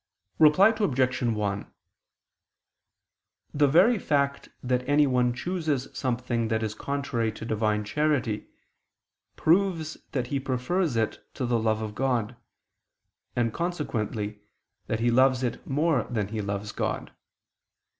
Reply Obj. 1: The very fact that anyone chooses something that is contrary to divine charity, proves that he prefers it to the love of God, and consequently, that he loves it more than he loves God.